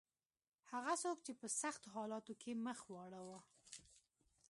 هغه څوک چې په سختو حالاتو کې مخ واړاوه.